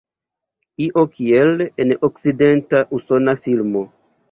Io kiel en okcidenta usona filmo.